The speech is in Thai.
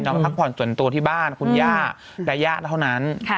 ไปพักผ่อนส่วนตัวที่บ้านคุณย่าและย่าเท่านั้น